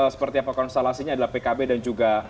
seperti apa konstelasinya adalah pkb dan juga